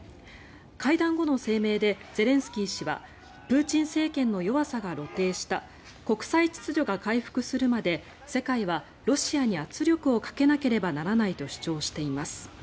会談後の声明でゼレンスキー氏はプーチン政権の弱さが露呈した国際秩序が回復するまで世界はロシアに圧力をかけなければならないと主張しています。